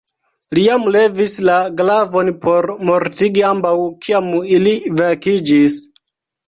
Li jam levis la glavon por mortigi ambaŭ, kiam ili vekiĝis.